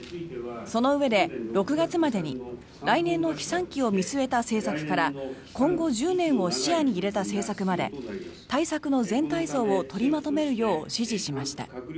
そのうえで、６月までに来年の飛散期を見据えた政策から今後１０年を視野に入れた政策まで対策の全体像を取りまとめるよう指示しました。